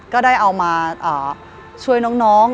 ก็ได้เอามาช่วยน้อง